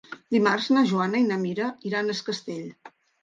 Dimarts na Joana i na Mira iran a Es Castell.